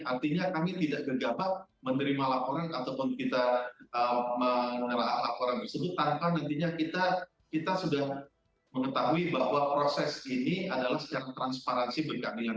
artinya kami tidak gegabah menerima laporan ataupun kita mengerah laporan tersebut tanpa nantinya kita sudah mengetahui bahwa proses ini adalah secara transparansi berkalingan